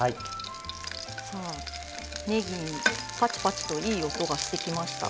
さあねぎパチパチといい音がしてきました。